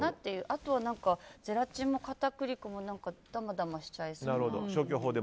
あとはゼラチンも片栗粉もダマダマしちゃいそう。